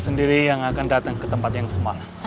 gue sendiri yang akan datang ke tempat yang semalam